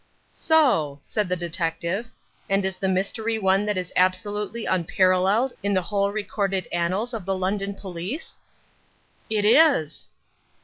"So," said the detective, "and is the mystery one that is absolutely unparalleled in the whole recorded annals of the London police?" "It is."